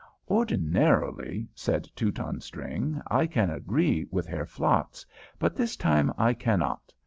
"Ordinarily," said Teutonstring, "I can agree with Herr Flatz, but this time I cannot.